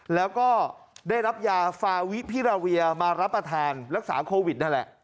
แล้วก็ได้รับยาฟาวิพิราเวียมารับประทานรักษาโควิดนั่นแหละ